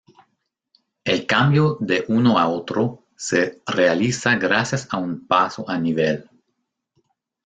El cambio de uno a otro se realiza gracias a un paso a nivel.